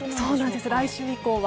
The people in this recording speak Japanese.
来週以降は。